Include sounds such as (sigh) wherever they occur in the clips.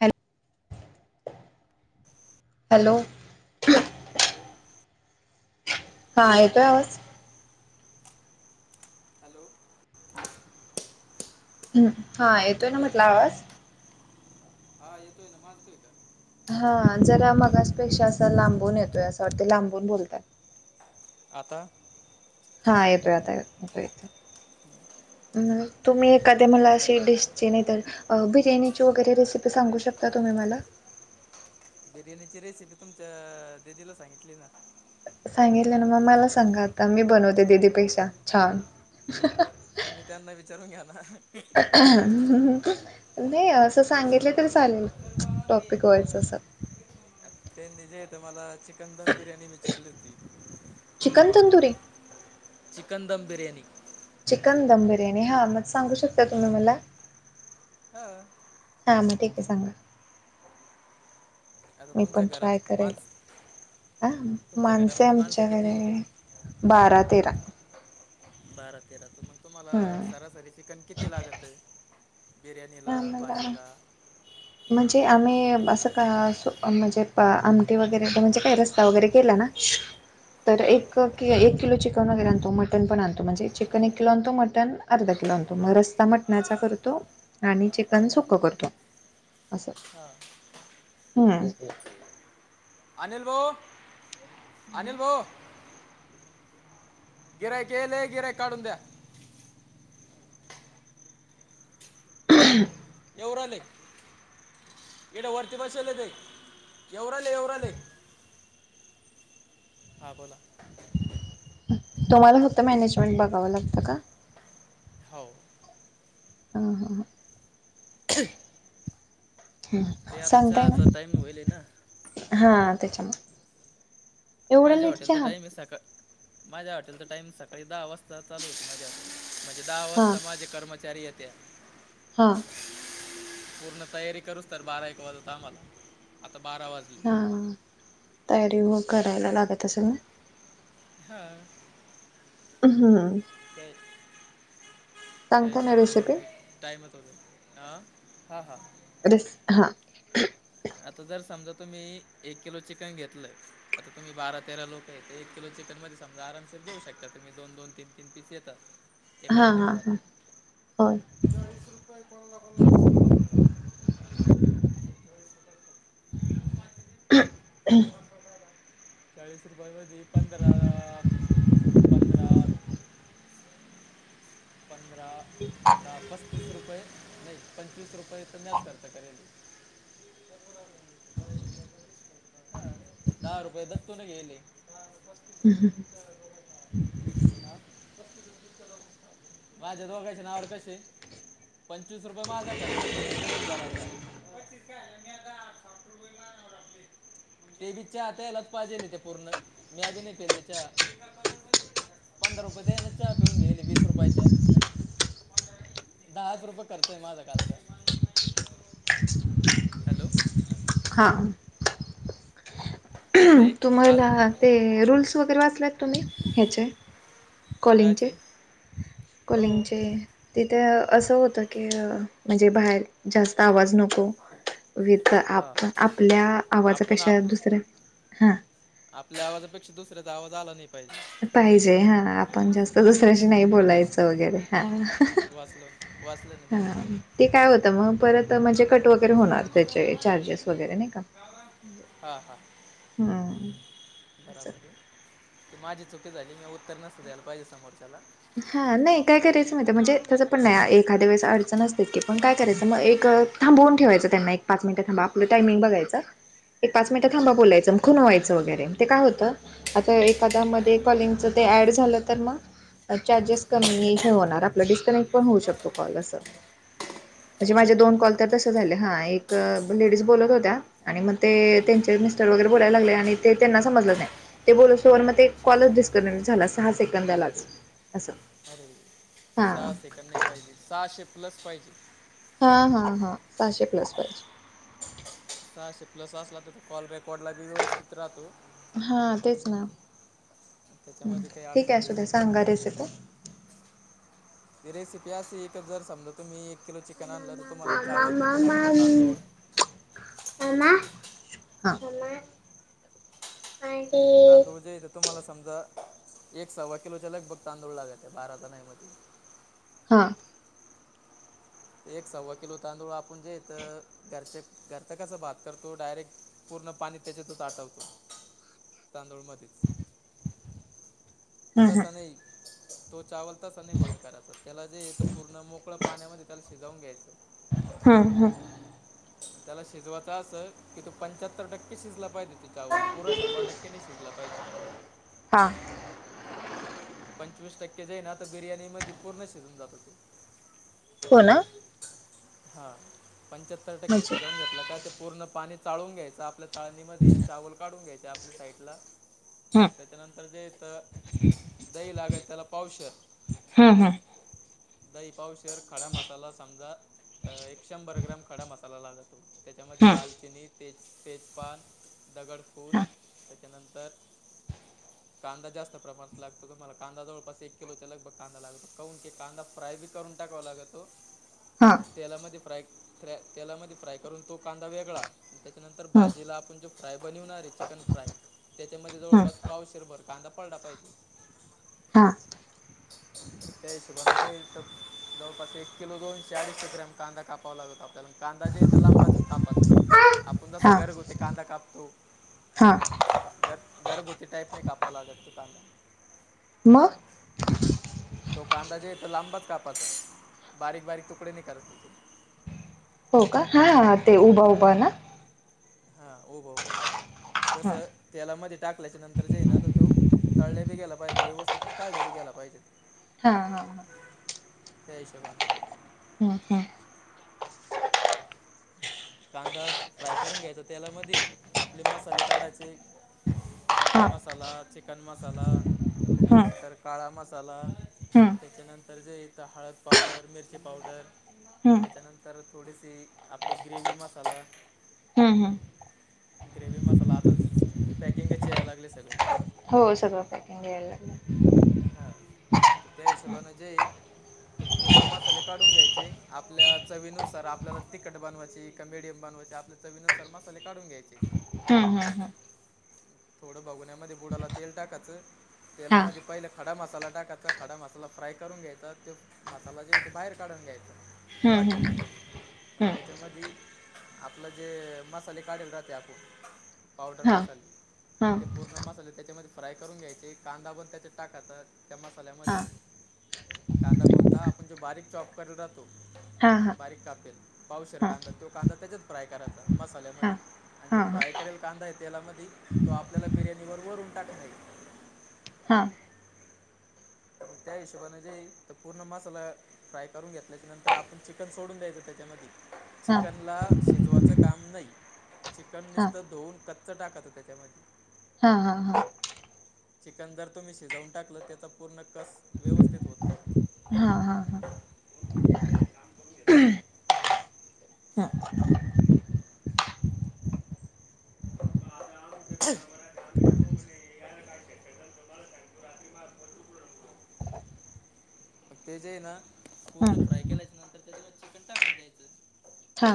Hello. Hello! Hello! हा येतोय आवाज? हॅलो. हम, हा येतोय ना हॅलो म्हटला आवाज. हा येतोय ना माझा येतोय का? हा जरा मगासपेक्षा असं लांबून येतोय असं वाट ते लांबून बोलताय. आता? हा येतोय आता येतो येतोय. अ तुम्ही एखाद्या मला अशी डिशची नाही तर. अ बिर्याणीची वगैरे रेसिपी सांगू शकता तुम्ही मला? बिर्याणीची रेसिपी तुमच्या दिदीला सांगितली ना. सांगितले ना मग मला सांगा आता, मी बनवते दीदी पैशा छान. (unintelligible) तुम्ही त्यांना विचारून घ्या ना. नाही. असं सांगितलं तरी चालेल. टॉपिक वयचं असं तेनी जे. ते मला चिकन दम बिर्याणी विचारलीत की. Chicken tandoori. Chicken dum biryani. Chicken dum biryani हा, मग सांगू शकता तुम्ही मला. ह. हां, मग ठीक आहे सांगा. आता मी तुमच्या पण ट्राय घरात करेल माणस ह, तुमच्या माणसे घरामध्ये माणसं किती आमच्याकडे बारा तेरा. बारा तेराच मग तुम्हाला, हम्म सरासरी चिकन किती लागत ये आम्हाला. म्हणजे आम्ही असं का असं म्हणजे आमटी वगैरे म्हणजे काही रस्सा वगैरे केला ना तर एक कि एक किलो चिकन वगैरे आणतो. मटन पण आणतो म्हणजे चिकन एक किलो आणतो मटन. अर्धा किलो आणतो, मग रस्सा मटण्याचा करतो. आणि चिकन सुकं करतो असं हम्म. अनिल भाऊ अनिल भाऊ. गिऱ्याक याले, गिऱ्याक काडून द्या. (unintelligible) येवूराले इकड वर्ती बसवले, ते येवूराल येवूराले. हा बोला. तुम्हाला फक्त मॅनेजमेंट बघावं लागतं का. हाव. ह ह ह. (unintelligible) ते ह आता सांगताय चहाता ना टाईम होईल ना. हा त्याच्याम माझ्या हॉटेलचां टाईमिंग सका माझ्या हॉटेलचं टाइमिंग सकाळी दहा वाजता चालू होते. माझ्या हॉटेल. म्हणजे दहा हा वाजता माझे कर्मचारी येत्या. हा. पूर्ण तयारी करूच तर बारा एक वाजत आम्हाला, आता बारा वाजले. हा तयारी मग करायला लागत असंल ना? हा. अ हं. ‌ ते ते सांगता ना रेसिपी शिवालम. टाईम तो दे, आ हां हां. रीस हा. आता जर समजा तुम्ही, एक किलो चिकन घेतलंय. आता तुम्ही बारा तेरा लोक आहेत. एक किलो चिकनमध्ये समजा आरामात देऊ शकता तुम्ही दोन दोन तीन तीन पीस येतात. एका हा हा एकाच्या हा, वाटाला होय. चाळीस रुपये कोणा कोणाला दिसतो. (inaudible) चाळीस रुपये भजी, पंधरा पंधरा. पंधरा दहा पस्तीस रुपये, नाही पंचवीस रुपये तर म्याच खर्च करेल. ह दहा रुपये दत्तून घेले. (inaudible) हम हं हं. (unintelligible) आं (unintelligible) माझ्या दोघांच्या नावर कसे पंचवीस रुपये माझा खर्च आहे पूर्ण दिवसभराचा. तिथ आहे म रपली. (unintelligible) ते बी चहा आता यालाच पाहिजे ना ते पूर्ण, म्या बी नाही पेलते चहा. पंधरा रुपये त्याने चहा पिऊन घेले, वीस रुपयाचे त्या, दहाच रुपये खर्च आहे माझा कालचा. हॅलो. हा. ते काल तुम्हाला ते रूल्स वगैरे वाचलात तुम्ही ह्याचे? कॉलिंगचे कायचे हो कॉलिंगचे. तिथे असं होत की म्हणजे बाहेर जास्त आवाज नको. विथ हां आप आपल्या आपण आवाजापेक्षा आप दुसऱ्या हा आपल्या आवाजापेक्षा दुसऱ्याचा आवाज आला नाही पाहिजे पाहिजे हा आपण जास्त दुसऱ्याशी नाही बोलायचं वगैरे हा हा हा. वाचलो, वाचलो ना मी ते पूर्ण. ते काय होतं मग परत म्हणजे कट वगैरे होणार पूर्ण त्याचे चार्जेस वगैरे नाही का. हा हा. हम्म. बराबर आहे. ती माझी चुकी झाली, मी उत्तर नसतं द्यायला पाहिजे समोरच्याला. हा नाही तीन काय प्लेट करायचं माहिती हाय, चिकन म्हणजे आवडून तसं मसाला पण आहे नाही. एखाद्या वेळेस अडचण असतेत की पण काय आठ करायचं अंडी मग मटन एक आहे थांबवून ठेवायचं त्यांना एक पाच मिनिटं थांबा, आपलं टाइमिंग बघायचं. एक पाच मिनटं हां थांबा बोलायचं म खुनवायचं वगैरे ते काय होतं आता एखाद्या मध्ये कॉलिंगचं ते ऍड झालं तर मग चार्जेस कमी हे होणार आपलं डिस्कनेक्ट पण होऊ शकतो कॉल असं. म्हणजे होऊ माझ्या शकतो दोन ना कॉल तर तस झाले हा एक लेडीज बोलत होत्या. आणि मग ते त्यांचे मिस्टर वगैरे बोलायला लागले आणि ते त्यांना समजलं नाही, ते बोलस तोवर मग ते अच्छा कॉलच डिस्कनेक्ट झाला सहा सेकंदलाच. असं अरे सहा सेकंद नाही पाहिजे, सहाशे प्लस पाहिजे. हा हा हा, सहाशे प्लस पाहिजे. सहाशे प्लस असला त तर कॉल रेकॉर्डला व्यवस्थित राहतो. हा तेच ना, त्याच्यामध्ये काही ठीक आहे अडचण बी येत असूद्या नाही सांगा रेसिपी. ती रेसिपी अशी एक जर समजा तुम्ही एक किलो चिकन आणलं तर तुम्हाला चावल किती लागायं तांदूळ. हां. तांदूळ जे इथं तुम्हाला समजा, एक सव्वा किलोच्या लगबग तांदूळ लागत हाय बारा जणांच्या मधी. हा. एक सव्वा किलो तांदूळ आपण जेथं चारशे घरचा कस भात करतो, डायरेक्ट पूर्ण पाणी त्याच्यातच आठवतो. तांदूळ मध्येच. हम्म तसा नाही तो चावल तसं नाही बॉईल करायचं त्याला जे तर पूर्ण मोकळं पाण्यामध्ये त्याला शिजवून घ्यायचं. हम्म हम्म. त्याला शिजवायचां असं की तू पंच्याहत्तर टक्के शिजला पाहिजे. चावल पुरा शंभर हम्म टक्के नाय शिजला पाहिजे. हा. पंचवीस टक्के जाई ना आता बिर्याणी मध्ये पूर्ण शिजून जात ते. हो ना? हा पंच्याहत्तर टक्के म्हणजे शिजवून घेतलं का, ते पूर्ण पाणी चाळून घ्यायचं. आपल्या चाळणीमधी चावल काढून घ्यायचे आपल्या साईटला. हम्म त्याच्यानंतर जे येत दही लागत त्याला पावशर. हं हं. दइ पावशेअर खडा मसाला समजा अ एक शंभर ग्राम खडा मसाला लागतो त्याच्यामध्ये हम्म दालचिनी तेज तेजपान दगडफूल हा त्याच्यानंतर कांदा जास्त प्रमाणात लागतो. तुम्हाला कांदा जवळपास एक किलोचा लगबग कांदा लागतो. काहून ते कांदा फ्राय बी करून टाकावं लाग तो. हां. तेलामध्ये फ्राय फ्रा तेलामध्ये फ्राय करून तो कांदा वेगळा, त्याच्यानंतर ह भाजीला आपण जो फ्राय बनीवणार आहे चिकन फ्राय त्याच्यामध्ये ह जवळपास पावशरभर कांदा पडला पाहिजे. हा. त्या हिशोबाने घ्यायचं तर जवळपास एक किलो दोनशे अडीचशे ग्रॅम कांदा कापावा लागतो, आपल्याला कांदा जे आहे ते लांबच कापाचा आपण जसा हा घरगुती कांदा कापतो हा घर घरगुती टाईपने कापावला लागतै कांदा. मग. तो कांदा जे इथं लांबाच कापास बारीक बारीक तुकडे नि करत हो. (unintelligible) हो का? हा ते उभा उभा ना. हा उभा उभा. हा जसं तेलामध्ये टाकल्याच्यानंतर जे हाय ना तर तो तळले बी गेला पाहिजेत व्यवस्थित आणि काढले बी गेला पाहिजेत. हा हा हा. द्यायचं (unintelligible) हं हं. कांदा फ्राय करून घ्यायचा तेलामध्ये आपले मसाले काढायचे. मटण हा मसाला चिकन मसाला ह त्याच्यानंतर काळा मसाला. त्याच्यानंतर जे इथं हळद पावडर मिरची पावडर. ह त्याच्यानंतर थोडीशी आपली ग्रेवी मसाला ह ह ग्रेव्ही मसाला आता पॅकिंगच यायला लागली सगळे. हो सगळं पॅकिंग मिळायला लागलं. हां त्या हिशबान जय तर पूर्ण मसाले काढून घ्यायचे आपल्या चवीनुसार आपल्याला तीखट बनवायची का मेडियम बनवायची चवीनुसार मसाले काढून घ्यायचे. हम्म हम्म हम्म. थोडं भगोन्यामध्ये बुडाला तेल टाकायचं, हा तेलामध्ये पहिल्या खडा मसाला टाकायचा, खडा मसाला फ्राय करून घ्यायचा. त्यो मसालाच्या जे आहे ते बाहेर काढून घ्यायचा. ह ह वाटीमध्ये त्याच्यामध्ये आपलं जे मसाले काढेल राहते आपुण, पावडर हा मसाले. ते पूर्ण मसाले त्याच्यामध्ये फ्राय करून घ्यायचे कांदा पण त्याच्यात टाकायचा त्या मसाल्यामध्ये. कांदा कोणता आपण जो बारीक चॉक करू राहतो हा हा. बारीक कापेल. पावशेर कांदा तो कांदा त्याच्यात फ्राय करायचा मसाल्यामध्ये. आणि हा हा हा हा जो फ्राय करेला कांदा आहे तेलामधी, तो आपल्याला बिर्याणीवर वरून टाकायचं. त्या हिशोबाने जेई तर पूर्ण मसाला फ्राय करून घेतल्याच्या नंतर आपण चिकन सोडून द्यायचं त्याच्यामधी, हा हा चिकनला शिजवायचं काम नाही. चिकन नीस्त धुवून कच्च टाकाच त्याच्यामध्ये. हा हा हा. चिकन जर तुम्ही शिजवून टाकलं, त्याचा पूर्ण कस व्यवस्थित होत नाही. हा हा हा काम करून घेत हा. (unintelligible) हा. (inaudible) (inaudible) ते जे आहे ना, पूर्ण फ्राय केल्याच्या नंतर तेच्यात चिकन टाकून द्यायचं. हा.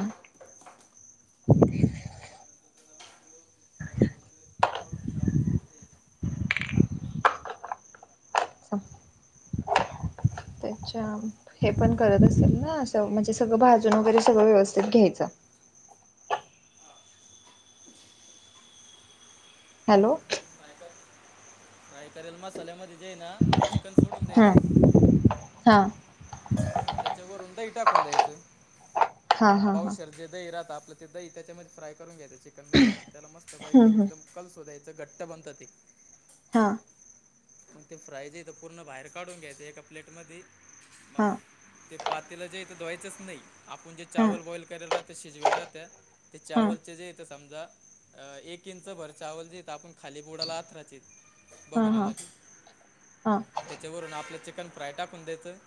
(inaudible) हा त्याच्या हे पण करत असेल ना, असं म्हणजे सगळं भाजून वगैरे सगळं व्यवस्थित घ्यायचं. हॅलो. फ्राय कर फ्राय करेलं मसाल्यामध्ये जे हाय ना, ते चिकन सोडून हा द्यायचं. हा. त्याच्यावरून दही टाकून द्यायचं, हा हा हा पावशेर जे दही राहत आपलं. ते दही तेच्यामध्ये फ्राय करून घ्यायचं, चिकनमध्ये त्याला मस्त पैकी हम्म हम्म एकदम कलसो धायचं घट्ट बनतं ते. हा. मग ते फ्रायजे तर पूर्ण बाहेर काढून घ्यायचं, एका प्लेटमध्ये. मग हा ते पातेलं जे हाय ते धुवायचंच नाही, आपुण जे हा चावल बॉईल करायलं राह ते शिजवला राहत ते, हा हा चावलचे जे इथ समजा. अ एक इंच भर चावल जे इथं आपण खाली बुडाला आथराचेत. हा हा हा. त्यांच्यावरून आपलं चिकन फ्राय टाकून द्यायचं.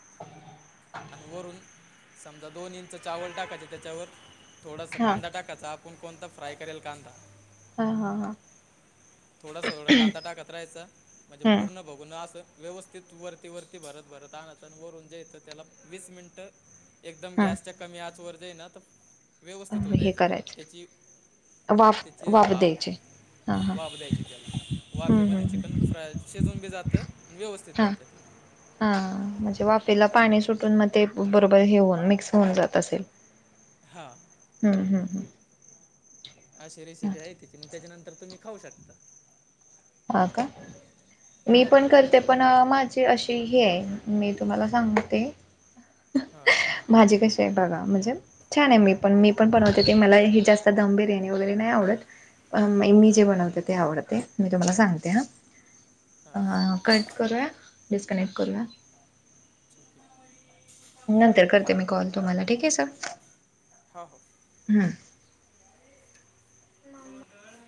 आणि वरून समजा, दोन इंच चावल टाकायचे त्याच्यावर. थोडंसं हा कांदा टाकायचा, आपण कोणता फ्राय करेल कांदा. हा हा हा. थोडासा वर कांदा टाकत राहायचा. म्हणजे हम्म पूर्ण भगुनं असं व्यवस्थित वरती वरती भरत भरत आणायचं, आन वरून जे येतं त्याला वीस मिनिट एकदम हा गॅसच्या कमी आचवर जे हाय ना, तर व्यवस्थित होऊ हे जायचं त्याला. करायचं त्याची वाफ तिथे वाफ बाप द्यायचे हा हा वाफ द्यायचे त्याला, हम्म वाफेमध्ये हम्म चिकन हम्म फ्राय. शिजूनबी जातं आणि व्यवस्थित हा बनतं. हा म्हणजे वाफेला पाणी सुटून. मग ते बरोबर हेऊन मिक्स होऊन जात असेल. हा, हम्म हम्म अशी हम्म रेसिपी आहे. तेच्यानंतर मग त्याच्यानंतर तुम्ही खाऊ शकता. हा का, हां मीपण करते पण माझी अशी हे हाय मी तुम्हाला सांगते. ‌ हां. माझी कशी आहे बघा म्हणजे. छान आहे मी पण मी पण बनवते, ते मला हे जास्त धम बिर्याणी वगैरे नाही आवडत. अ म मी हां जे बनवते ते आवडते. मी तुम्हाला सांगते हा अ हां कट. करूया डिस्कनेक्ट करूया. नंतर करते मी कॉल तुम्हाला, ठीक आहे सर? हा हो. हम्म. (inaudible)